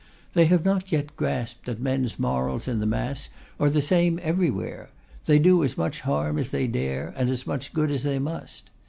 They have not yet grasped that men's morals in the mass are the same everywhere: they do as much harm as they dare, and as much good as they must.